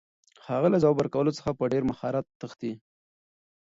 هغه له ځواب ورکولو څخه په ډېر مهارت تښتي.